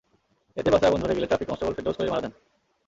এতে বাসে আগুন ধরে গেলে ট্রাফিক কনস্টেবল ফেরদৌস খলিল মারা যান।